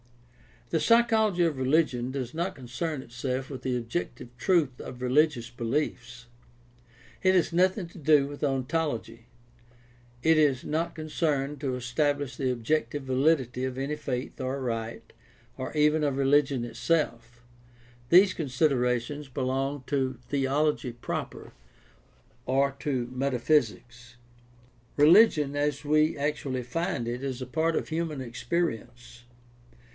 — The psychology of reli gion does not concern itself with the objective truth of religious beliefs. It has nothing to do with ontology. It is not con cerned to estabhsh the objective validity of any faith or rite, or even of religion itself. These considerations belong to theology proper or to metaphysics. Religion as we actually find it is a part of human experience.